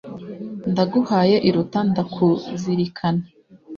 Ndaguhaye iruta ndakuzirikana.